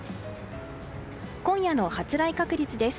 今夜の発雷確率です。